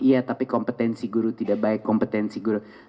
iya tapi kompetensi guru tidak baik kompetensi guru